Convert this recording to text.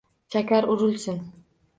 Shakar urilsin